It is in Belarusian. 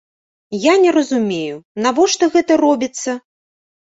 Я не разумею, навошта гэта робіцца.